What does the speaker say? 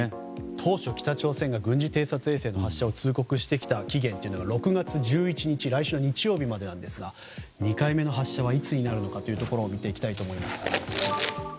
当初、北朝鮮が軍事偵察衛星の発射を通告してきた期限は、６月１１日来週の日曜日までなんですが２回目の発射がいつになるのかというところを見ていきたいと思います。